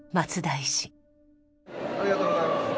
ありがとうございます。